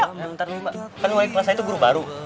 eh bentar mbak kan wali kelas saya tuh guru baru